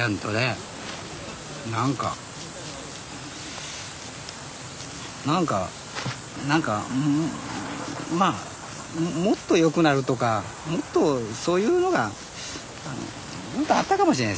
何か何か何かまあもっとよくなるとかもっとそういうのがあったかもしれないですね。